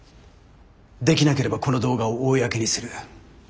できなければこの動画を公にする。